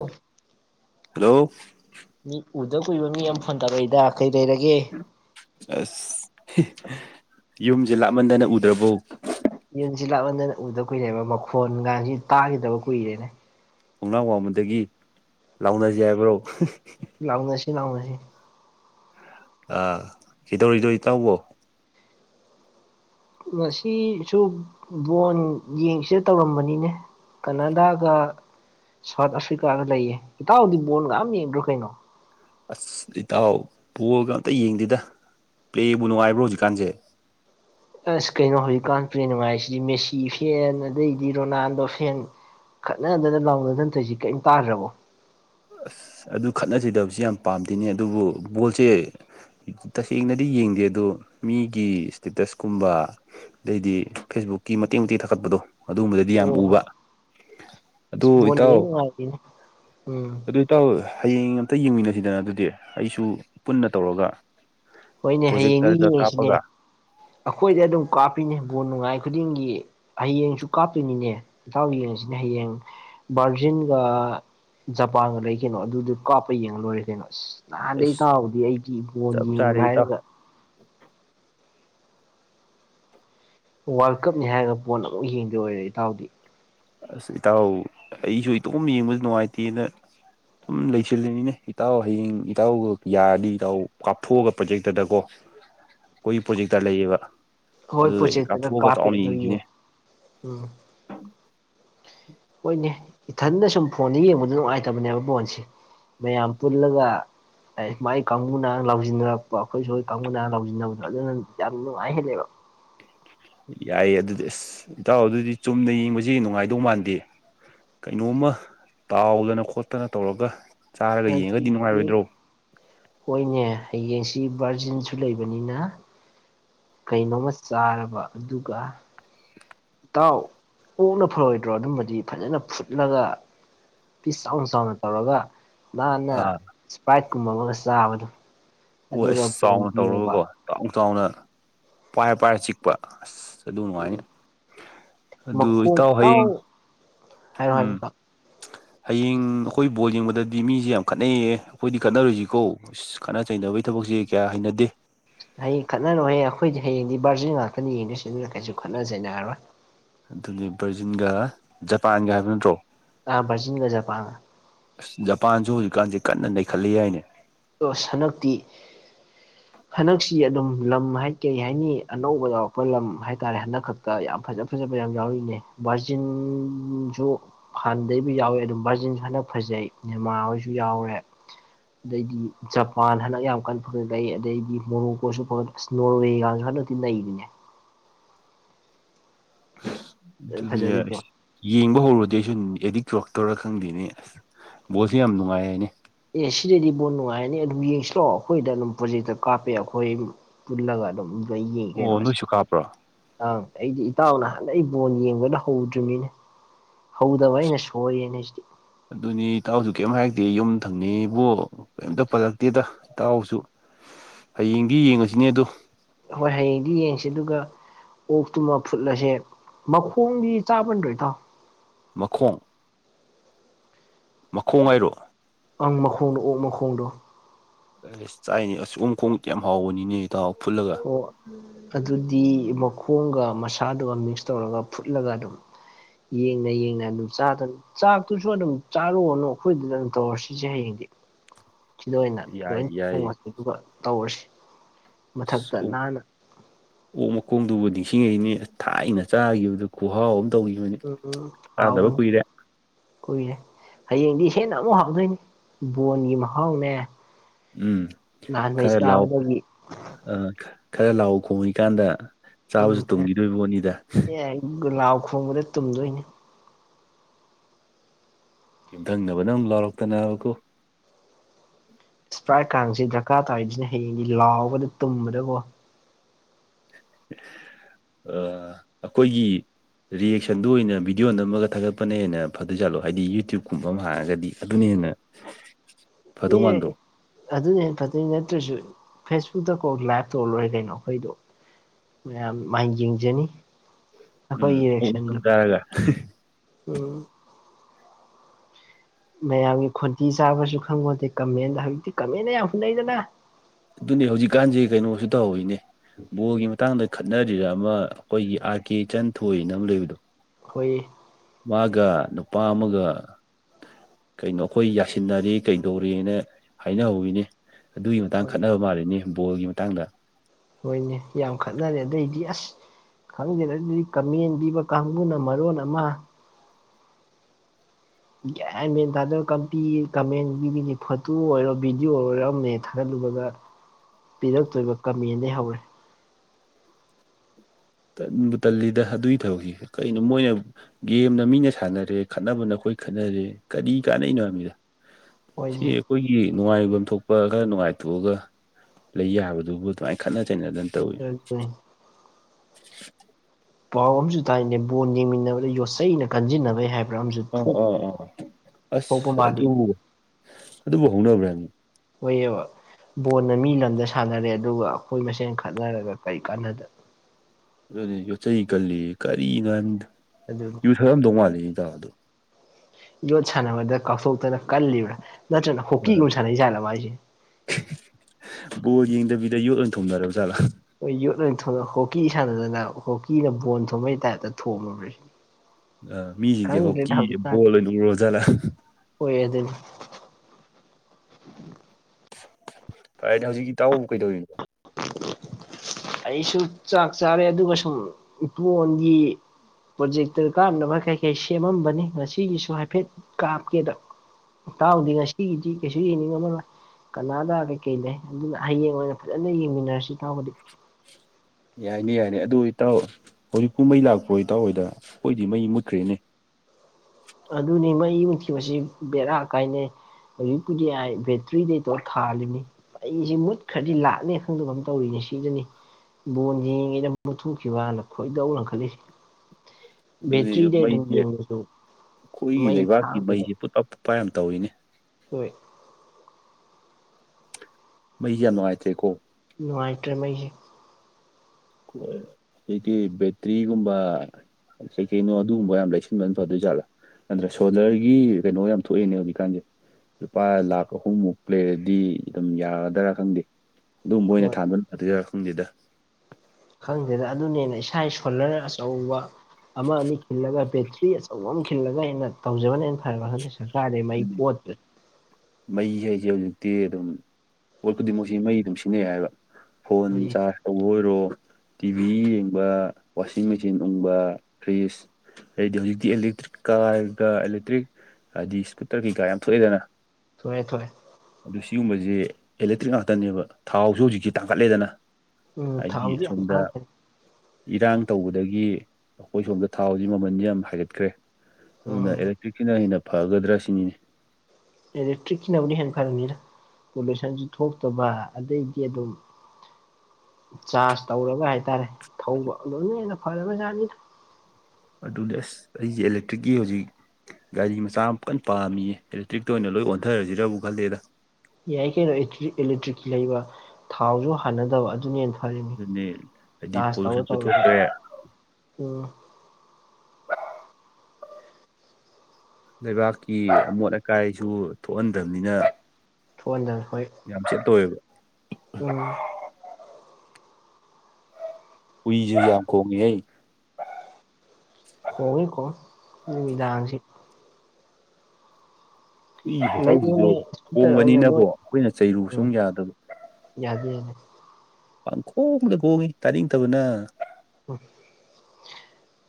ꯑꯣ ꯍꯜꯂꯣ ꯎꯗ ꯀꯨꯏꯕ ꯃꯤ ꯑꯃ ꯐꯣꯟ ꯇꯧꯔꯛꯏꯗ ꯀꯩ ꯂꯩꯔꯒꯦ ꯑꯁ ꯌꯨꯝꯁꯦ ꯂꯥꯞꯃꯟꯗꯅ ꯎꯗ꯭ꯔꯕꯣ ꯌꯨꯝꯁꯦ ꯂꯞꯃꯟꯗꯅ ꯎꯗꯕ ꯀꯨꯏꯔꯦꯕ ꯃꯈꯣꯟꯒꯁꯤ ꯇꯥꯈꯤꯗꯕ ꯀꯨꯏꯔꯦꯅꯦ ꯊꯣꯡꯅꯥꯡ ꯋꯥꯡꯃꯗꯒꯤ ꯂꯥꯎꯅꯁꯦ ꯍꯥꯏꯕ꯭ꯔꯣ ꯂꯥꯎꯅꯁꯤ ꯂꯥꯎꯅꯁꯤ ꯑꯥ ꯀꯤꯗꯧꯔꯤꯅꯣ ꯏꯇꯥꯎꯕꯣ ꯃꯁꯤꯁꯨ ꯕꯣꯟ ꯌꯦꯡꯁꯤꯗ ꯇꯧꯔꯝꯕꯅꯤꯅꯦ ꯀꯅꯥꯗꯥꯒ ꯁꯥꯎꯠ ꯑꯐ꯭ꯔꯤꯀꯥꯒ ꯂꯩꯌꯦ ꯏꯇꯥꯎ ꯍꯥꯎꯗꯤ ꯕꯣꯟꯒ ꯑꯃ ꯌꯦꯡꯕ ꯨꯀꯣꯏꯅꯣ ꯑꯁ ꯏꯇꯥꯎ ꯄꯑꯒ ꯑꯝꯇ ꯌꯦꯡꯗꯦꯗ ꯄ꯭ꯂꯦꯕꯨꯅꯅꯨꯡꯉꯥꯏꯕ꯭ꯔꯣ ꯍꯧꯖꯤꯛꯀꯥꯟꯁꯦ ꯑꯁ ꯀꯩꯅꯣ ꯍꯧꯖꯤꯛꯀꯥꯟ ꯄ꯭ꯔꯦꯟ ꯅꯨꯡꯉꯥꯏꯔꯤꯁꯤꯗꯤ ꯃꯦꯁꯤ ꯐꯦꯟ ꯑꯗꯩꯗꯤ ꯔꯣꯅꯥꯜꯗꯣ ꯐꯦꯟ ꯈꯠꯅꯟꯗꯅ ꯂꯥꯎꯅ ꯍꯟꯊꯣꯏꯁꯤ ꯀꯔꯤꯝ ꯇꯥꯗ꯭ꯔꯕꯣ ꯑꯁ ꯑꯗꯨ ꯈꯠꯅꯖꯗꯕꯕꯁꯤ ꯌꯥꯝ ꯄꯥꯝꯗꯦꯅꯦ ꯑꯗꯨꯕꯨ ꯕꯣꯜꯁꯦ ꯇꯁꯦꯡꯅꯗꯤ ꯌꯦꯡꯗꯦ ꯑꯗꯣ ꯃꯤꯒꯤ ꯁ꯭ꯇꯦꯇꯁꯀꯨꯝꯕ ꯑꯗꯩꯗꯤ ꯐꯦꯁꯕꯨꯛꯀꯤ ꯃꯇꯦꯛ ꯃꯇꯦꯛ ꯊꯥꯒꯠꯄꯗꯣ ꯑꯗꯨꯒꯨꯝꯕꯗꯗꯤ ꯌꯥꯝ ꯎꯕ ꯕꯜꯂ ꯌꯦꯪꯕꯥ ꯅꯨꯪꯉꯥꯏꯇꯦ ꯑꯗꯨꯏ ꯇ ꯍꯌꯦꯡ ꯑꯝꯇ ꯌꯦꯡꯃꯤꯟꯅꯁꯤꯗꯅ ꯑꯗꯨꯗꯤ ꯑꯩꯁꯨ ꯄꯨꯟꯅ ꯇꯧꯔꯒ ꯍꯣꯏꯅꯦ ꯍꯌꯦꯡꯗꯤ ꯄ꯭ꯔꯣꯖꯦꯛꯇꯔꯒ ꯌꯦꯡꯁꯤꯅꯦ ꯀꯥꯞꯄꯒ ꯑꯩꯈꯣꯏꯗꯤ ꯑꯗꯨꯝ ꯀꯥꯞꯄꯤꯅꯦ ꯒꯣꯟ ꯅꯨꯡꯉꯥꯏ ꯈꯨꯗꯤꯡꯒꯤ ꯍꯌꯦꯡꯁꯨ ꯀꯥꯞꯇꯣꯏꯅꯤꯅꯦ ꯏꯇꯥꯎ ꯌꯦꯡꯁꯤꯅꯦ ꯍꯌꯦꯡ ꯕꯥꯔꯖꯤꯟ ꯆꯤꯟꯒ ꯖꯄꯥꯟꯒ ꯂꯩ ꯀꯩꯅꯣ ꯑꯗꯨꯗꯨ ꯀꯥꯞꯄ ꯌꯦꯡꯉ ꯂꯣꯏꯔꯦ ꯀꯩꯅꯣ ꯑꯁ ꯅꯥꯟꯗꯩ ꯑꯁ ꯇꯥꯕꯗꯤ ꯑꯩꯗꯤꯕꯣꯟ ꯆꯞ ꯌꯦꯡꯉꯦ ꯆꯥꯔꯦ ꯏꯇꯥꯎ ꯍꯥꯏꯔꯒ ꯋꯥꯔꯜ ꯀꯞꯅꯤ ꯍꯥꯏꯔꯒ ꯄꯣꯠ ꯑꯃꯨꯛ ꯌꯦꯡꯗ ꯑꯣꯏꯔꯦ ꯏꯇꯥꯎꯗꯤ ꯑꯁ ꯏꯇꯥꯎ ꯑꯩꯁꯨ ꯏꯇꯣꯝ ꯌꯦꯡꯕꯁꯨ ꯅꯨꯡꯉꯥꯏꯇꯦꯅ ꯁꯨꯝ ꯂꯩꯁꯤꯜꯂꯤꯅꯤꯅꯦ ꯏꯇꯥꯎ ꯍꯌꯦꯡ ꯏꯇꯥꯎꯒ ꯌꯥꯔꯗꯤ ꯏꯇꯥꯎ ꯀꯥꯞꯊꯣꯛꯑꯒ ꯄ꯭ꯔꯣꯖꯦꯛꯇꯗꯀꯣ ꯑꯩꯈꯣꯏ ꯄ꯭ꯔꯣꯖꯦꯛꯇ ꯂꯩꯌꯦꯕ ꯍꯣꯏ ꯑꯗꯨꯗꯩ ꯄ꯭ꯔꯣꯖꯦꯛꯇꯒ ꯀꯥꯞꯊꯣꯛꯑꯒ ꯀꯥꯞꯄꯦ ꯆꯥꯎꯅ ꯑꯗꯨ ꯌꯦꯡꯈꯤꯅꯦ ꯌꯦꯡꯉꯦ ꯎꯝ ꯍꯣꯏꯅꯦ ꯏꯊꯟꯗ ꯁꯨꯝ ꯐꯣꯟꯗ ꯌꯦꯡꯕꯗ ꯅꯨꯡꯉꯥꯏꯇꯕꯅꯦꯕ ꯐꯣꯟꯁꯦ ꯃꯌꯥꯝ ꯄꯨꯜꯂꯒ ꯃꯥꯏ ꯀꯥꯡꯕꯨꯅ ꯂꯧꯥꯎꯁꯤꯟꯅꯔꯛꯄ ꯑꯩꯈꯣꯏꯁꯨ ꯑꯩꯣꯏ ꯀꯥꯡꯕꯨꯅ ꯂꯧꯁꯤꯟꯅꯕꯗꯣ ꯑꯗꯨꯅ ꯌꯥꯝ ꯅꯨꯡꯉꯥꯏꯍꯦꯜꯂꯦꯕ ꯌꯥꯏꯌꯦ ꯑꯗꯨꯗꯤ ꯑꯁ ꯏꯇꯥꯎ ꯑꯗꯨꯗꯤ ꯆꯨꯝꯅ ꯌꯦꯡꯕꯁꯤ ꯅꯨꯡꯉꯥꯏꯗꯧ ꯃꯥꯟꯗꯦ ꯀꯩꯅꯣꯝꯃ ꯇꯥꯎꯗꯅ ꯈꯣꯠꯇꯅ ꯇꯧꯔꯒ ꯆꯥꯔꯒ ꯌꯦꯡꯉꯒꯗꯤ ꯍꯧꯖꯤꯛꯇꯤ ꯅꯨꯡꯉꯥꯏꯔꯣꯏꯗ꯭ꯔꯣ ꯍꯣꯏꯅꯦ ꯍꯌꯦꯡꯁꯤ ꯚꯔꯖꯤꯟꯁꯨ ꯂꯩꯕꯅꯤꯅ ꯀꯩꯅꯣꯝꯃ ꯆꯥꯔꯕ ꯑꯗꯨꯒ ꯏꯇꯥꯎ ꯑꯣꯛꯅ ꯐꯔꯣꯏꯗ꯭ꯔꯣ ꯑꯗꯨꯝꯕꯗꯤ ꯐꯖꯅ ꯐꯨꯠꯂꯒ ꯄꯤꯁ ꯆꯥꯎꯅ ꯆꯥꯎꯅ ꯇꯧꯔꯒ ꯅꯥꯟꯅ ꯑꯥ ꯏꯁꯄ꯭ꯔꯥꯏꯠꯀꯨꯝꯕ ꯑꯃꯒ ꯆꯥꯕꯗꯣ ꯑꯣ ꯑꯁ ꯑꯗꯨꯒ ꯕꯣꯟ ꯆꯥꯎꯅ ꯌꯦꯡꯕ ꯇꯧꯔꯒꯀꯣ ꯆꯥꯎ ꯆꯥꯎꯅ ꯄꯥꯏꯔ ꯄꯥꯏꯔ ꯆꯤꯛꯄ ꯑꯁ ꯑꯗꯨ ꯅꯨꯡꯉꯥꯏꯅꯤ ꯑꯗꯨ ꯏꯇꯥꯎ ꯍꯌꯦꯡ ꯍꯥꯏꯔꯣ ꯍꯥꯏꯔꯣ ꯎꯝ ꯏꯇꯥꯎ ꯍꯌꯦꯡ ꯑꯩꯈꯣꯏ ꯕꯣꯜ ꯌꯦꯡꯕꯗꯗꯤ ꯃꯤꯁꯦ ꯌꯥꯝ ꯈꯠꯅꯩꯌꯦ ꯑꯩꯈꯣꯏꯗꯤ ꯈꯠꯅꯔꯨꯁꯤꯀꯣ ꯑ ꯈꯠꯅ ꯆꯩꯅꯕꯒꯤ ꯊꯕꯛꯁꯦ ꯀꯌꯥ ꯍꯩꯅꯗꯦ ꯍꯌꯦꯡ ꯈꯠꯅꯔꯣꯏ ꯍꯌꯦꯡ ꯑꯩꯈꯣꯏꯗꯤ ꯍꯌꯦꯡꯗꯤ ꯕꯥꯔꯖꯤꯂꯤꯟ ꯉꯥꯛꯇꯅꯤ ꯌꯦꯡꯗꯣꯏꯁꯤ ꯑꯗꯨꯅ ꯀꯩꯁꯨ ꯈꯠꯅ ꯆꯩꯅꯔꯔꯣꯏ ꯑꯗꯨꯅꯦ ꯕ꯭ꯔꯔꯖꯤꯟꯒ ꯖꯄꯥꯟꯒ ꯍꯥꯏꯕ ꯅꯠꯇ꯭ꯔꯣ ꯚꯥꯔꯖꯤꯟꯒ ꯖꯄꯥꯟꯒ ꯑꯁ ꯖꯄꯥꯟꯁꯨ ꯍꯧꯖꯤꯛꯀꯥꯟꯁꯦ ꯀꯟꯅ ꯅꯩꯈꯠꯂꯤ ꯍꯥꯏꯏꯅꯦ ꯗꯣ ꯁꯟꯗꯛꯇꯤ ꯍꯟꯗꯛꯁꯤ ꯑꯗꯨꯝ ꯂꯝ ꯍꯥꯏ ꯀꯩ ꯍꯥꯏꯅꯤ ꯑꯅꯧꯕ ꯌꯥꯎꯔꯛꯄ ꯂꯝ ꯍꯥꯏꯇꯥꯔꯦ ꯍꯟꯗꯛ ꯈꯛꯇ ꯌꯥꯝ ꯐꯖꯕ ꯐꯖꯕ ꯌꯥꯝ ꯌꯥꯎꯔꯤꯅꯦ ꯕꯥꯔꯖꯤꯟꯁꯨ ꯍꯥꯟꯗꯩꯕ ꯌꯥꯎꯋꯤ ꯑꯗꯨꯝ ꯕꯥꯔꯖꯤꯟꯁꯨ ꯍꯟꯗꯛ ꯐꯖ ꯃꯃꯥꯔ ꯌꯥꯎꯔꯦ ꯑꯗꯩꯗꯤ ꯖꯄꯥꯟ ꯍꯟꯗ ꯌꯥꯝ ꯀ ꯐ ꯑꯗꯩꯗꯤ ꯃꯣꯔ ꯀꯁꯨ ꯐ ꯅꯣꯔꯋꯦꯁꯨ ꯍꯥꯏꯅꯤ ꯅꯩꯔꯤꯅꯦ ꯐꯖꯔꯤ ꯄꯣꯠ ꯑꯗꯨꯅꯦꯁ ꯌꯦꯡꯕ ꯍꯧꯔꯨꯔꯗꯤ ꯑꯩ ꯁꯨꯝ ꯑꯦꯗꯤꯛ ꯆ꯭ꯔꯛꯇꯧꯔ ꯈꯪꯗꯦꯅꯤ ꯑꯁ ꯕꯣꯜꯁꯦ ꯌꯥꯝ ꯅꯨꯡꯉꯥꯏ ꯍꯥꯏꯅꯦ ꯑꯦ ꯁꯤꯗꯗꯤ ꯕꯣꯠ ꯅꯨꯡꯉꯥꯏꯔꯅꯤ ꯑꯗꯨꯝ ꯌꯦꯡꯁꯤꯂꯛꯑꯣ ꯑꯩꯈꯣꯏꯗ ꯑꯗꯨꯝ ꯄ꯭ꯔꯣꯖꯦꯛꯇ ꯀꯥꯞꯄꯦ ꯑꯩꯈꯣꯏ ꯄꯨꯜꯂꯒ ꯑꯗꯨꯝ ꯑꯣ ꯀꯩꯅꯣꯁ ꯅꯣꯏꯁꯨ ꯀꯥꯞꯄ꯭ꯔꯣ ꯑꯪ ꯑꯩꯗꯤ ꯏꯇꯥꯎ ꯅꯍꯥꯟꯩ ꯕꯣꯟ ꯌꯦꯡꯕ ꯐꯅ ꯍꯧꯗ꯭ꯔꯤꯕꯅꯤꯅꯦ ꯍꯧꯗꯕ ꯑꯁ ꯑꯩꯅ ꯁꯣꯏꯌꯦꯅꯦꯁꯤꯗꯤ ꯑꯗꯨꯅꯤ ꯏꯇꯥꯎꯁꯨ ꯀꯩꯝ ꯍꯥꯏꯔꯛꯇꯦ ꯌꯨꯝ ꯊꯪꯅꯤꯡꯕꯨ ꯀꯩꯝꯇ ꯄꯜꯂꯛꯇꯦꯗ ꯏꯇꯥꯎꯁꯨ ꯍꯌꯦꯡꯗꯤ ꯌꯦꯡꯉꯁꯤꯅꯦ ꯑꯗꯣ ꯍꯣꯏ ꯍꯌꯦꯡꯗꯤ ꯌꯦꯡꯁꯤ ꯑꯗꯨꯒ ꯑꯣꯛꯇꯨꯃꯥ ꯐꯨꯠꯂꯥꯖꯦ ꯃꯈꯣꯡꯗꯤ ꯆꯥꯕꯟꯗ꯭ꯔꯣ ꯏꯇꯥꯎ ꯃꯈꯣꯡ-ꯃꯈꯣꯡ ꯍꯥꯏꯔꯣ ꯑꯪ ꯃꯈꯣꯡꯗꯣ ꯑꯣꯛ ꯃꯈꯣꯡꯗꯣ ꯆꯥꯏꯅꯦ ꯑꯁ ꯎꯝ ꯈꯣꯡ ꯌꯥꯝ ꯍꯥꯎꯕꯅꯤꯅꯦ ꯏꯇꯥꯎ ꯐꯨꯠꯂꯒ ꯑꯣ ꯑꯗꯨꯗꯤ ꯃꯥꯈꯣꯡꯒ ꯃꯁꯥꯗꯨꯒ ꯃꯤꯛꯁ ꯇꯧꯔꯒ ꯐꯨꯠꯂꯒ ꯑꯗꯨꯝ ꯌꯦꯡꯅ-ꯌꯦꯡꯅ ꯑꯗꯨꯝ ꯆꯥꯗꯅ ꯆꯥꯛꯇꯨꯁꯨ ꯑꯗꯨꯝ ꯆꯥꯔꯣꯔꯅꯨ ꯑꯩꯈꯣꯏꯗꯗꯪ ꯇꯧꯔꯁꯤꯁꯦ ꯍꯌꯦꯡꯗꯤ [inaudible] ꯁꯤꯗ ꯑꯣꯏꯅ ꯌꯥꯏ ꯂꯣꯏ ꯌꯥꯏ ꯊꯣꯡꯉ ꯗꯨꯒ ꯇꯧꯔꯁꯤ ꯑꯁ ꯃꯊꯛꯇ ꯑꯣꯛ ꯅꯥꯟꯅ ꯑꯣꯛ ꯃꯈꯣꯡꯗꯨꯕꯨ ꯅꯤꯡꯁꯤꯡꯉꯤꯅꯦ ꯊꯥꯏꯅ ꯆꯥꯒꯤꯕꯗꯣ ꯈꯨꯨꯍꯥꯎ ꯑꯃ ꯇꯧꯈꯤꯕꯅꯤ ꯎꯝ-ꯎꯝ ꯆꯥꯗꯕ ꯍꯥꯎꯕꯅꯦ ꯀꯨꯏꯔꯦ ꯀꯨꯏꯅꯦ ꯍꯥꯌꯦꯡꯗꯤ ꯍꯦꯟꯅ ꯑꯃꯨꯛ ꯍꯥꯎꯗꯣꯏꯅꯤ ꯕꯣꯟꯒꯤ ꯃꯍꯥꯎꯅꯦ ꯎꯝ ꯅꯍꯥꯟꯋꯥꯏ ꯈꯔ ꯂꯥꯎ ꯆꯥꯕꯗꯒꯤ ꯑꯥ ꯈꯔ ꯂꯥꯎ ꯈꯣꯡꯉꯤꯀꯥꯟꯗ ꯎꯝ ꯆꯥꯕꯖꯨ ꯈꯔ ꯇꯨꯝꯒꯤꯗꯣꯏꯕꯣꯏ ꯄꯣꯠꯅꯤꯗ ꯑꯦ ꯂꯥꯎ ꯈꯣꯡꯕꯗ ꯇꯨꯝꯗꯣꯏꯅꯤ ꯌꯨꯝꯊꯪꯅꯕꯅ ꯑꯃꯨꯛ ꯂꯥꯎꯔꯛꯇꯅꯕꯀꯣ ꯏꯁꯄ꯭ꯔꯥꯏꯠ ꯀꯥꯡꯁꯤ ꯗꯔꯀꯥꯔ ꯇꯥꯏꯖꯤꯅꯦ ꯍꯌꯦꯡꯗꯤ ꯂꯥꯎꯕꯗ ꯇꯨꯝꯕꯗꯒꯣ ꯑꯥ ꯑꯈꯣꯏꯒꯤ ꯔꯤꯌꯦꯛꯁꯟꯗꯨ ꯑꯣꯏꯅ ꯚꯤꯗꯤꯑꯣ ꯅꯝꯃꯒ ꯊꯥꯒꯠꯄꯅ ꯍꯦꯟꯅ ꯐꯥꯗꯣꯏ ꯖꯥꯠꯂꯣ ꯍꯥꯏꯗꯤ ꯌꯨꯇ꯭ꯌꯨꯕꯀꯨꯝꯕ ꯑꯃ ꯍꯥꯡꯉꯒꯗꯤ ꯑꯗꯨꯅꯤ ꯎꯅ [unintelligible] ꯑꯦ ꯑꯗꯨꯅ ꯍꯦꯟꯅ ꯐꯥꯗꯣꯏꯅꯦ ꯅꯠꯇ꯭ꯔꯁꯨ ꯐꯦꯁꯕꯨꯛꯇ ꯀꯣꯛ ꯂꯥꯏꯚ ꯇꯧꯔ ꯂꯣꯏꯔꯦ ꯀꯩꯅꯣ ꯑꯈꯣꯏꯗꯣ ꯃꯥꯌꯥꯝ ꯃꯥꯏ ꯌꯦꯡꯖꯅꯤ ꯎꯝ ꯑꯩꯈꯣꯏꯒꯤ ꯑꯣꯛ ꯇꯨꯝ ꯔꯤꯌꯦꯛꯁꯟꯗꯣ ꯆꯥꯔꯒ ꯎꯝ ꯃꯌꯥꯝꯒꯤ ꯈꯣꯟꯊꯤ ꯆꯥꯕꯖꯨ ꯈꯪꯄꯣꯟꯇꯦ ꯀꯥꯃꯦꯟꯗ ꯍꯧꯖꯤꯛꯇꯤ ꯀꯥꯃꯦꯟꯅ ꯌꯥꯝ ꯍꯨꯟꯅꯩꯗꯅ ꯑꯗꯨꯅꯦ ꯍꯧꯖꯤꯛꯀꯥꯟꯖꯤ ꯀꯩꯅꯣꯁꯨ ꯇꯧꯔꯤꯋꯤꯅꯦ ꯕꯣꯜꯒꯤ ꯃꯇꯥꯡꯗ ꯈꯠꯅꯔꯤꯔꯥ ꯑꯃ ꯑꯈꯣꯏꯒꯤ ꯑꯥ ꯑꯥꯔ ꯀꯦ ꯏꯆꯟꯊꯣꯏꯅ ꯑꯃ ꯂꯩꯕꯗꯣ ꯍꯣꯏ ꯃꯥꯒ ꯅꯨꯄꯥ ꯑꯃꯒ ꯀꯩꯅꯣ ꯑꯩꯈꯣꯏ ꯌꯥꯁꯤꯟꯅꯔꯦ ꯀꯩꯗꯧꯔꯦꯅ ꯍꯥꯏꯅ ꯍꯧꯋꯤꯅꯦ ꯑꯗꯨꯒꯤ ꯃꯇꯥꯡ ꯈꯠꯅꯕ ꯃꯥꯜꯂꯤꯅꯦ ꯕꯣꯜꯒꯤ ꯃꯇꯥꯡꯗ ꯍꯣꯏꯅꯦ ꯌꯥꯝ ꯈꯠꯅꯦꯔꯦ ꯑꯗꯨꯏꯗꯤ ꯑꯁ ꯈꯪꯗꯦꯅ ꯑꯗꯨꯗꯤ ꯀꯥꯃꯦꯟ ꯄꯤꯕ ꯀꯥꯡꯕꯨꯅ ꯃꯔꯣꯟ ꯑꯃ ꯒ꯭ꯌꯥꯟꯃꯦꯟ ꯇꯥꯗ ꯀꯥꯝꯄꯤ ꯀꯥꯃꯦꯟ ꯄꯤꯕꯤꯅꯤ ꯐꯣꯇꯣ ꯑꯣꯏꯔꯣ ꯚꯤꯗꯤꯑꯣ ꯑꯣꯏꯔꯣ ꯑꯃꯅꯦ ꯊꯥꯒꯠ ꯕꯥ-ꯕꯥ ꯄꯤꯔꯛꯇꯣꯏꯕ ꯀꯥꯃꯦꯟꯗꯩ ꯍꯧꯔꯦ [inaudible] ꯇꯟꯕꯨ ꯇꯜꯂꯤꯗ ꯑꯗꯨꯏ ꯊꯧꯕꯛꯇꯤ ꯀꯩꯅꯣ ꯃꯣꯏꯅ ꯒꯦꯝꯅ ꯃꯤꯅ ꯁꯥꯟꯅꯔꯦ ꯈꯠꯅꯕꯅ ꯑꯈꯣꯏ ꯑꯈꯣꯏ ꯈꯟꯅꯔꯦ ꯀꯔꯤ ꯀꯥꯟꯅꯩꯅꯣ ꯍꯥꯏꯅꯤꯗ ꯁꯤ ꯃꯣꯏꯁꯦ ꯑꯈꯣꯏꯒꯤ ꯅꯨꯡꯉꯥꯏꯕꯝ ꯊꯣꯛꯄ ꯄꯥ ꯒꯥ ꯅꯨꯡꯉꯥꯏꯇꯣꯛꯑꯒ ꯂꯩ ꯌꯥꯕꯗꯨꯕꯨ ꯑꯗꯨꯃꯥꯏ ꯈꯠꯅ ꯆꯩꯅꯗꯨꯅ ꯇꯧꯋꯤ ꯑꯗꯨꯅꯤ꯫ ꯕꯣꯟ ꯌꯦꯡꯃꯤꯟꯅꯕꯗ ꯌꯣꯠꯆꯩꯅ ꯀꯟꯖꯤꯟꯅꯕꯩ ꯍꯥꯏꯕ ꯑꯥ-ꯑꯥ-ꯑꯥ- ꯊꯣꯛꯄ ꯑꯁ ꯃꯥꯜꯂꯤ ꯑꯗꯨ-ꯑꯗꯨꯕꯨ ꯍꯧꯅꯕ꯭ꯔꯥꯅꯦ ꯑꯣꯏꯌꯦꯕ ꯕꯣꯟꯅ ꯃꯤ ꯂꯝꯗ ꯁꯥ ꯁꯥꯟꯅꯔꯦ ꯑꯗꯨꯒ ꯑꯈꯣꯏ ꯃꯁꯦꯟ ꯈꯠꯅꯔꯒ ꯀꯩ ꯀꯥꯟꯅ ꯑꯗꯨꯅꯣ ꯌꯣꯠꯆꯩ ꯀꯜꯂꯤ ꯀꯔꯤ ꯉꯥꯟꯅꯨ ꯑꯗꯨꯅꯤ ꯌꯨꯊꯛꯑꯝꯗꯧ ꯃꯥꯜꯂꯤ ꯏꯇꯥꯎ ꯑꯗꯨ ꯌꯣꯠ ꯁꯥꯟꯅꯕꯗ ꯀꯥꯎꯊꯣꯛꯇꯅ ꯀꯜꯂꯤꯕ꯭ꯔꯥ ꯅꯠꯇ꯭ꯔꯅ ꯍꯣꯛꯀꯤꯒꯨꯝ ꯁꯥꯟꯅꯩ ꯖꯥꯠꯂ ꯃꯥꯏꯖꯤ ꯕꯣꯜ ꯌꯦꯡꯗꯕꯤꯗ ꯌꯣꯠ ꯑꯣꯏꯅ ꯊꯣꯝꯅꯔꯕ ꯖꯥꯠꯂꯥ ꯍꯣꯏ ꯌꯣꯠ ꯂ ꯑꯣꯏꯅ ꯍꯣꯛꯀꯤ ꯁꯥꯟꯅꯗꯅ ꯍꯣꯛꯀꯤꯅ ꯕꯣꯣꯟ ꯊꯣꯡꯕꯩ ꯇꯥꯏꯞꯇ ꯊꯣꯡꯉꯕ꯭ꯔꯁꯤ ꯑ ꯃꯤꯁꯤꯡꯁꯦ ꯍꯣꯛꯀꯤ ꯕꯣꯜ ꯑꯣꯏꯅ ꯎꯔꯣꯜꯁꯤꯜꯂ ꯍꯣꯏ [inaudible] ꯇꯗꯤ ꯍꯧꯖꯤꯛꯀꯤ ꯏ ꯇꯥꯎ ꯀꯩꯗꯧꯔꯤꯅꯣ ꯑꯩꯁꯨ ꯆꯥꯛ ꯆꯥꯔꯦ ꯑꯗꯨꯒ ꯁꯨꯝ ꯏꯄꯣꯟꯒꯤ ꯄ꯭ꯔꯣꯖꯦꯛꯇꯔ ꯀꯥꯞꯅꯕ ꯀꯩ ꯀꯩ ꯁꯦꯝꯃꯝꯕꯅꯤ ꯉꯁꯤꯒꯤꯁꯨ ꯍꯥꯏꯐꯦꯠ ꯀꯥꯞꯀꯦꯗ ꯇꯥꯎꯗꯦ ꯉ ꯁꯤꯒꯤꯁꯤ ꯀꯩꯁꯨ ꯌꯦꯡꯅꯤꯡꯉ ꯑꯃꯅ ꯀꯅꯥꯗ ꯀꯩꯀꯩ ꯂꯩ ꯑꯗꯨꯅ ꯍꯌꯦꯡ ꯑꯣꯏꯅ ꯐꯖꯅ ꯌꯦꯡꯃꯤꯟꯅꯔꯁꯤ ꯇꯥꯎꯕꯗꯤ ꯌꯥꯏꯅꯤ ꯌꯥꯏꯅꯤ ꯑꯗꯨ ꯑꯣꯏ ꯇ ꯍꯧꯖꯤꯛꯄꯨꯍꯩ ꯂꯥꯛꯄꯣ ꯇꯥꯔꯑꯣꯣꯏꯗ ꯑꯩꯈꯣꯏꯗꯤ ꯃꯩ ꯃꯨꯠꯈ꯭ꯔꯦꯅꯦ [inaudible] ꯑꯗꯨꯅꯤ ꯃꯩ ꯡꯊꯤꯕꯁꯤ ꯕꯦꯔꯥ ꯀꯥꯏꯅꯩ ꯍꯧꯖꯤꯛꯄꯨꯗꯤ ꯑꯩ ꯕꯦꯇ꯭ꯔꯤꯗꯩꯇꯣꯞ ꯊꯥꯜꯂꯤꯅꯤ ꯑꯩꯁꯤ ꯃꯨꯠꯈ꯭ꯔꯗꯤ ꯂꯥꯛꯂꯦ ꯈꯪꯗꯕ ꯑꯃ ꯇꯧꯔꯤꯅꯦ ꯁꯤꯗꯅꯤ ꯕꯣꯟ ꯌꯦꯡꯉꯤꯗ ꯃꯨꯠꯊꯣꯛꯈꯤꯕꯅ ꯈꯣꯏꯗꯧ ꯂꯪꯈꯠꯂꯤꯁꯦ ꯑꯗꯨꯗꯤ ꯕꯦꯠꯇꯦꯔꯤ ꯗꯩꯩ ꯃꯩꯁꯦ ꯑꯗꯨꯝ ꯑꯩꯈꯣꯏꯒꯤ ꯃꯩ ꯂꯩꯕꯥꯛꯀꯤ ꯈꯥꯡꯗꯦꯗ ꯃꯩꯁꯤ ꯄꯨꯠꯄ ꯐꯨꯠꯄ ꯌꯥꯝ ꯇꯧꯔꯤꯅꯦ ꯍꯣꯏ ꯃꯩꯅꯨꯡꯉꯥꯏꯇꯦꯀꯣ ꯅꯨꯡꯉꯥꯏꯇ꯭ꯔꯦ ꯃꯩꯁꯦ ꯍꯣꯏ ꯍꯧꯗꯤ ꯕꯦꯇ꯭ꯔꯤꯒꯨꯝꯕ ꯀꯩꯀꯩꯅꯣ ꯑꯗꯨꯒꯨꯝꯕ ꯌꯥꯝ ꯂꯩꯁꯤꯟꯕꯅ ꯐꯗꯣꯏꯖꯥꯠꯂꯦ ꯅꯠꯇ꯭ꯔ ꯁꯣꯗꯔꯒꯤ ꯀꯩꯅꯣ ꯌꯥꯝ ꯊꯣꯛꯑꯦꯅꯦ ꯍꯧꯖꯤꯛꯀꯥꯟꯁꯦ ꯂꯨꯄꯥ ꯂꯥꯛꯈ ꯑꯍꯨꯝꯃꯨꯛ ꯂꯩꯔꯗꯤ ꯑꯗꯨꯝ ꯌꯥꯒꯗ꯭ꯔꯥ ꯈꯪꯗꯦ ꯑꯗꯨꯒꯨꯝꯕ ꯑꯣꯏꯅ ꯍꯣꯏ ꯊꯥꯗꯨꯅ ꯊꯥꯗꯔ ꯈꯪꯗꯦꯗ ꯈꯪꯗꯦꯗ ꯑꯗꯨꯅꯦꯅ ꯏꯁꯥ ꯁꯣꯂꯔ ꯑꯆꯧꯕ ꯑꯃ ꯑꯅꯤ ꯈꯤꯜꯂꯒ ꯕꯦꯇ꯭ꯔꯤ ꯑꯆꯧꯕ ꯑꯃ ꯊꯜꯂꯒ ꯑꯩꯅ ꯇꯧꯖꯕꯅꯅ ꯐꯔꯗꯤ ꯁꯔꯀꯥꯔꯗꯤ ꯃꯩ ꯑꯗꯨꯅꯤ ꯄꯣꯠꯄ ꯃꯩ ꯍꯥꯏꯁꯦ ꯍꯧꯖꯤꯛꯇꯤ ꯑꯗꯨꯝ ꯄꯣꯠ ꯈꯨꯗꯤꯡꯃꯛꯁꯤ ꯃꯩ ꯑꯗꯨꯝ ꯁꯤꯟꯅꯩꯦ ꯍꯥꯏꯕ ꯐꯣꯟ ꯍꯣꯏ ꯆꯥꯔꯖ ꯇꯧꯕ ꯑꯣꯏꯔꯣ ꯇꯤꯚꯤ ꯌꯦꯡꯕ ꯋꯥꯁꯤꯡ ꯃꯦꯆꯤꯟ ꯎꯡꯕ ꯐ꯭ꯔꯤꯖ ꯑꯗꯩꯗꯤ ꯍꯧꯖꯤꯛꯇꯤ ꯑꯦꯂꯦꯛꯇ꯭ꯔꯤ ꯀꯥꯔꯒ ꯏꯂꯦꯛꯇ꯭ꯔꯤꯛ ꯍꯥꯏꯗꯤ ꯏꯁꯀꯨꯇꯔꯒꯤ ꯀꯥ ꯌꯥꯝ ꯊꯣꯛꯑꯦꯗꯅ ꯗꯔꯦ ꯒꯔꯦ ꯁꯤꯒꯨꯝꯕꯁꯤ ꯑꯦꯂꯦꯛꯇ꯭ꯔꯤꯛ ꯉꯥꯛꯇꯅꯦꯕ ꯊꯥꯎꯁꯨ ꯍꯧꯖꯤꯛꯛꯇꯤ ꯇꯥꯡꯈꯠꯂꯦꯗꯅ ꯎꯝ ꯍꯥꯏꯗꯤ ꯊꯥꯎꯗꯤ ꯌꯥꯝ ꯑꯁꯣꯝꯗ ꯊꯥꯛꯀꯅꯤ ꯏꯔꯥꯡ ꯇꯧꯕꯗꯒꯤ ꯑꯩꯈꯣꯏ ꯁꯣꯝꯗ ꯊꯥꯎꯁꯤ ꯃꯃꯟꯁ ꯌꯥꯝ ꯍꯥꯏꯒꯠꯈ꯭ꯔꯦ ꯑꯗꯨꯅ ꯎꯝ ꯑꯦꯂꯦꯛꯇ꯭ꯔꯤꯛꯁꯤꯅ ꯍꯦꯟꯅ ꯐꯒꯗ꯭ꯔꯥ ꯁꯤꯅꯤꯅꯦ ꯑꯦꯂꯦꯛꯇ꯭ꯔꯤꯛꯁꯤꯕꯨꯅ ꯍꯦꯟꯅ ꯐꯔꯅꯤꯅ ꯄꯣꯂꯨꯁꯟꯁꯨ ꯊꯣꯛꯇꯕ ꯑꯗꯩꯗꯤ ꯑꯗꯨꯝ [inaudible] ꯆꯥꯔꯖ ꯇꯧꯔꯒ ꯍꯥꯏꯇꯥꯔꯦ ꯊꯧꯕ ꯑꯗꯨꯅ ꯍꯦꯟꯅ ꯐꯔꯕꯖꯥꯠꯅꯤꯅ ꯑꯗꯨꯅꯦ ꯑꯁ ꯑꯩꯁꯦ ꯑꯦꯂꯦꯛꯇ꯭ꯔꯤꯛꯀꯤ ꯍꯧꯖꯤꯛ ꯒꯥꯔꯤ ꯃꯆꯥ ꯑꯃꯨꯛ ꯀꯟꯅ ꯄꯥꯝꯃꯤꯌꯦ ꯑꯦꯂꯦꯛꯇ꯭ꯔꯤꯛꯇ ꯑꯣꯏꯅ ꯂꯣꯏ ꯑꯣꯟꯊꯔꯁꯤꯔꯕꯨ ꯈꯜꯂꯦꯗ ꯌꯥꯏ ꯀꯩꯅꯣ ꯏꯂꯦꯛꯇ꯭ꯔꯤꯛꯀꯤ ꯂꯩꯕ ꯊꯥꯎꯁꯨ ꯍꯥꯟꯅꯗꯕ ꯑꯗꯨꯅꯦꯅ ꯐꯔꯤꯅꯤ ꯑꯗꯨꯅꯦ ꯍꯥꯏꯗꯤ ꯆꯥꯔꯖ ꯇꯧꯔ ꯄꯣꯂꯨꯁꯟꯁꯨ ꯇꯧꯔꯒ ꯊꯣꯛꯇ꯭ꯔꯦ ꯎꯝ ꯂꯩꯕꯥꯛꯀꯤ ꯑꯃꯣꯠ ꯑꯀꯥꯏꯁꯨ ꯊꯣꯛꯍꯟꯗꯕꯅꯤꯅ ꯊꯣꯛꯑꯗ ꯌꯥꯝ ꯁꯦꯠꯇꯣꯛꯑꯦꯕ ꯎꯝ ꯍꯨꯏꯁꯨ ꯌꯥꯝ ꯀꯣꯡꯒꯦ ꯑꯩꯏ [unintelligible] ꯅꯨꯃꯤꯗꯥꯁꯤ ꯍꯨꯏ ꯂꯩꯕꯅ‌ꯦ ꯈꯨꯆꯧꯁꯤꯁꯨ ꯃ‌ꯣꯏ ꯁꯄꯤꯀꯔ ꯈꯣꯡꯕꯅꯤꯅꯀꯣ ꯑꯩꯈꯣꯏꯅ ꯆꯩꯔꯨ ꯁꯨꯡ ꯌꯥꯗꯕ ꯌꯥꯗ‌ꯦ [inaudible] ꯄꯥꯡꯈꯣꯡꯗ ꯈꯣꯡꯉꯤ ꯇꯥꯅꯤꯡꯗꯕꯅ ꯎꯝ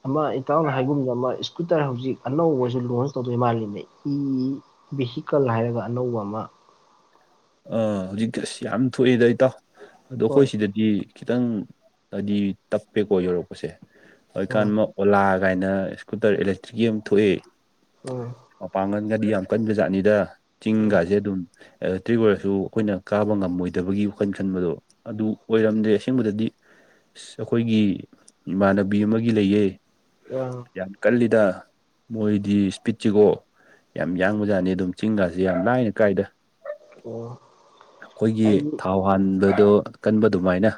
ꯑꯃ ꯏꯇꯥꯎꯅ ꯍꯥꯏꯒꯨꯝ ꯑꯃ ꯏꯁꯀꯨꯇꯔ ꯍꯧꯖꯤꯛ ꯑꯅꯧꯕꯁꯨ ꯂꯣꯟꯁ ꯇꯧꯗꯣꯏ ꯃꯥꯜꯂꯤꯅꯦ ꯏ ꯚꯦꯍꯤꯀꯜ ꯍꯥꯏꯔꯒ ꯑꯅꯧꯕ ꯑꯣ ꯑꯃ ꯑꯥ ꯍꯧꯖꯤꯛ ꯑꯁ ꯌꯥꯝ ꯊꯣꯛꯑꯦꯗ ꯏꯇꯥꯎ ꯑꯗꯣ ꯑꯩꯈꯣꯏ ꯍꯣꯏ ꯁꯤꯗꯗꯤ ꯈꯤꯇꯪ ꯍꯥꯏꯗꯤ ꯇꯞꯄꯦꯀꯣ ꯌꯧꯔꯛꯄꯁꯦ ꯍꯧꯖꯤꯀꯥꯟ ꯎꯝ ꯑꯃ ꯑꯣꯂꯥ ꯀꯥꯏꯅ ꯏꯁꯀꯨꯇꯔ ꯏꯂꯦꯛꯇ꯭ꯔꯤꯛꯀꯤ ꯌꯥꯝ ꯊꯣꯛꯑꯦ ꯎꯝ ꯃꯄꯥꯡꯒꯜꯒꯗꯤ ꯌꯥꯝ ꯀꯟꯕ ꯖꯥꯠꯅꯤꯗ ꯎꯝ ꯆꯤꯡꯒꯥꯁꯦ ꯑꯗꯨꯝ [unintelligible] ꯑꯣꯏꯔꯁꯨ ꯑꯩꯈꯣꯏꯅ ꯀꯥꯕ ꯉꯝꯃꯣꯏꯗꯕꯒꯤ ꯋꯥꯈꯜ ꯈꯟꯕꯗꯣ ꯑꯗꯨ ꯑꯣꯏꯔꯝꯗ꯭ꯔꯦ ꯑꯁꯦꯡꯕꯗꯗꯤ ꯑꯁ ꯑꯩꯈꯣꯏꯒꯤ ꯏꯃꯥꯟꯅꯕꯤ ꯑꯃꯒꯤ ꯂꯩꯌꯦ ꯑ ꯌꯥꯝ ꯀꯜꯂꯤꯗ ꯃꯣꯏꯗꯤ ꯏꯁꯄꯤꯠꯁꯤꯀꯣ ꯌꯥꯝ ꯌꯥꯡꯕ ꯖꯥꯠꯅꯤ ꯑꯗꯨꯝ ꯆꯤꯡꯒꯁ‌ꯦ ꯌꯥꯝ ꯂꯥꯏꯅ ꯀꯥꯏꯗ ꯑꯣ ꯑꯩꯈꯣꯏꯒꯤ ꯑꯩꯒꯤ ꯊꯥꯎ ꯍꯥꯟꯕꯗꯣ ꯀꯟꯕ ꯑꯗꯨꯃꯥꯏꯅ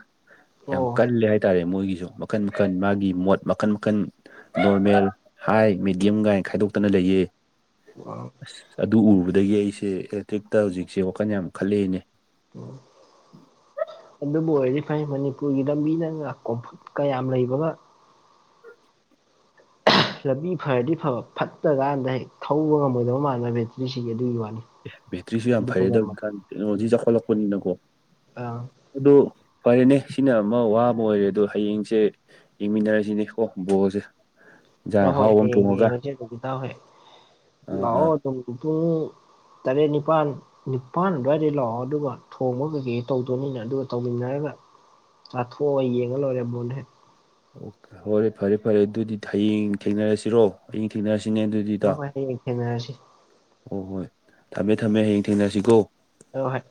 ꯌꯥꯝ ꯑꯣ ꯀꯜꯂꯦ ꯍꯥꯏꯇꯥꯔꯦ ꯃꯣꯏꯒꯤ ꯃꯈꯟ ꯃꯈꯜ ꯃꯥꯒꯤ ꯃꯣꯠ ꯃꯈꯟ ꯃꯈꯟ ꯅꯣꯔꯃꯦꯜ ꯍꯥꯏ ꯃꯦꯗꯤꯌꯝꯒꯥꯏꯅ ꯈꯥꯏꯗꯣꯛꯇꯅ ꯂꯩ ꯑꯈ‌ꯣꯏꯒꯤ ꯑꯁ ꯑꯗꯨ ꯎꯔꯨꯕꯗꯒꯤ ꯑꯩꯁꯦ ꯑꯦꯂꯦꯛꯇꯔꯤꯛꯇ ꯍꯧꯖꯤꯛꯁꯦ ꯋꯥꯈꯜ ꯌꯥꯝ ꯈꯜꯂꯛꯑꯦꯅꯦ ꯎꯝ ꯑꯗꯨꯝ ꯑꯣꯏꯔꯗꯤ ꯐꯩ ꯃꯅꯤꯄꯨꯔꯒꯤ ꯂꯝꯕꯤꯅ ꯀꯣꯝꯐꯨꯠ ꯀ ꯌꯥꯝ ꯂꯩꯕꯒ ꯂꯝꯕꯤ ꯐꯔꯗꯤ ꯐꯕ ꯐꯠꯇ꯭ꯔꯀꯥꯟꯗ ꯍꯦꯛ ꯊꯧꯕ ꯉꯝꯃꯣꯏꯗꯕ ꯃꯥꯟꯅꯕ ꯕꯦꯇ꯭ꯔꯤꯁꯤꯒꯤ ꯑꯗꯨꯒꯤ ꯋꯥ ꯑꯦ ꯕꯦꯇ꯭ꯔꯤꯁꯨ ꯌꯥꯝ ꯐꯔꯦꯗ ꯍꯪꯖꯤꯛꯀꯥꯟꯗꯨ ꯇꯦꯛꯅꯣꯂꯣꯖꯤ ꯆꯥꯎꯈꯠꯂꯛꯄꯅꯤꯅꯀꯣ ꯑꯥ ꯑꯗꯣ ꯐꯔꯦꯅꯦ ꯁꯤꯅ ꯑꯃ ꯋꯥꯕ ꯑꯣꯏꯔꯦ ꯑꯗꯣ ꯍꯌꯦꯡꯁꯦ ꯌꯦꯡꯃꯤꯟꯅꯔꯁꯤꯅꯦ ꯀꯣ ꯕꯣꯜꯁꯦ ꯑ ꯏꯟꯖꯥꯡ ꯍꯣꯏ ꯑꯍꯥꯎꯕ ꯑꯃ ꯍꯌ‌ꯦꯡ ꯊꯣꯡꯉꯒ ꯌꯦꯡꯉꯁꯦ [unintelligible] ꯇ ꯍꯣꯏ ꯑꯥ ꯑꯥ ꯂꯥꯛꯑꯣ ꯑꯗꯨꯝ ꯄꯨꯡ [unintelligible] [inaudible] ꯇꯔꯦꯠ ꯅꯤꯄꯥꯜ ꯅꯤꯄꯥꯟ ꯑꯗꯨꯋꯥꯏꯗꯩ ꯂꯥꯛꯑꯣ ꯑꯗꯨꯒ ꯊꯣꯡꯕ ꯀꯩꯀꯩ ꯇꯧꯗꯣꯏꯅꯤꯅ ꯑꯗꯨꯒ ꯇꯧꯃꯤꯟꯅꯔꯒ ꯆꯥꯊ‌ꯣꯛꯑ ꯌꯦꯡꯉ ꯂꯣꯏꯔꯦ ꯕꯣꯜ ꯍ‌ꯦꯛ ꯑꯣꯀꯦ ꯍꯔꯦ ꯐꯔꯦ ꯐꯔꯦ ꯑꯗꯨꯗꯤ ꯍꯌꯦꯡ ꯊꯦꯡꯅꯔꯁꯤꯔꯣ ꯍꯌꯦꯡ ꯊꯦꯡꯅꯔꯁꯤ ꯅꯤꯅꯦ ꯑꯗꯨꯗꯤ ꯍꯣꯏ ꯏꯇꯥꯎ ꯍꯣꯏ ꯍꯌꯦꯡ ꯊꯦꯡꯅꯔꯁꯤ ꯍꯣꯏ ꯍꯣꯏ ꯊꯝꯃꯦ ꯊꯝꯃꯦ ꯍꯌꯦꯡ ꯊꯦꯡꯅꯁꯤꯀꯣ ꯑ ꯍꯣꯏ